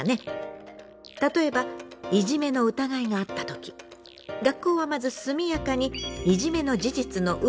例えばいじめの疑いがあった時学校はまず速やかにいじめの事実の有無の確認を行うこと。